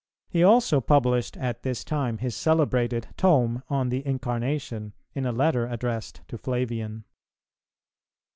He also published at this time his celebrated Tome on the Incarnation, in a letter addressed to Flavian.